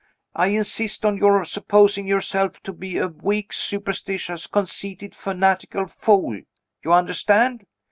I insist on your supposing yourself to be a weak, superstitious, conceited, fanatical fool. You understand?